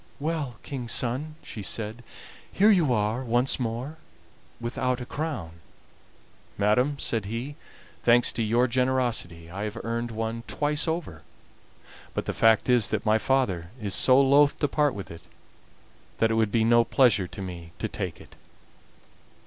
"Well, King's son," she said, "here you are once more, without a crown." "Madam," said he, "thanks to your generosity I have earned one twice over; but the fact is that my father is so loth to part with it that it would be no pleasure to me to take it."